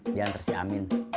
diantar si amin